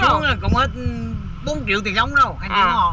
xuống là cũng hết bốn triệu tiền giống rồi hàng triệu ngò